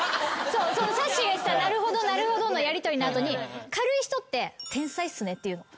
さっしーが言ってた「なるほど」のやりとりの後に軽い人って「天才っすね」って言うの。